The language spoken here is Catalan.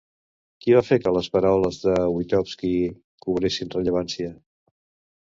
Qui va fer que les paraules de Witowski cobressin rellevància?